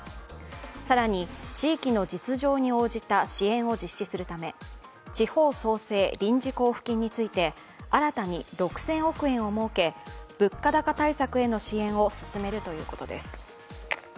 更に、地域の実情に応じた支援を実施するため地方創生臨時交付金について、新たに６０００億円を設け物価高対策への支援を進めるということです。